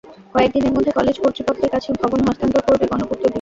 কয়েক দিনের মধ্যে কলেজ কর্তৃপক্ষের কাছে ভবন হস্তান্তর করবে গণপূর্ত বিভাগ।